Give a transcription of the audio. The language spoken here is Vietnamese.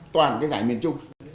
toàn cái giải miền trung